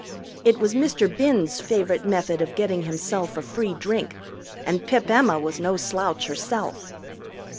It was Mr. Binns' favorite method of getting himself a free drink, and Pip Emma was no slouch herself.